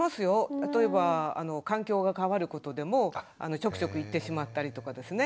例えば環境が変わることでもちょくちょく行ってしまったりとかですね